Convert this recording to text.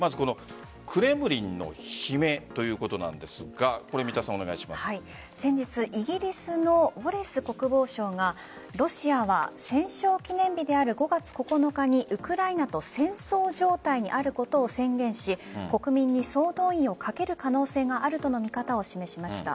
クレムリンの悲鳴ということなんですが先日イギリスのウォレス国防相がロシアは戦勝記念日である５月９日にウクライナと戦争状態にあることを宣言し国民に総動員をかける可能性があるとの見方を示しました。